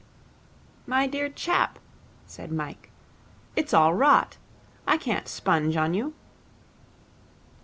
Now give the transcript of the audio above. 'My dear chap,' said Mike, 'it's all rot. I can't sponge on you.'